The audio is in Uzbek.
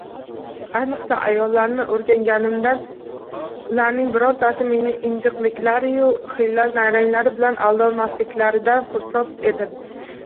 Ayniqsa, ayollarni o`rganganimdan, ularning birontasi meni injikliklariyu xiyla-nayranglari bilan aldayolmasliklaridan xursand edim